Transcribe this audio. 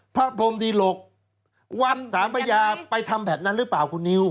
พรมดิหลกวัดสามพระยาไปทำแบบนั้นหรือเปล่าคุณนิว